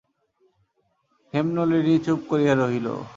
হেমনলিনী চুপ করিয়া রহিল।